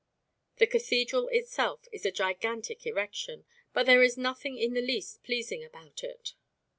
The cathedral itself is a gigantic erection, but there is nothing in the least pleasing about it.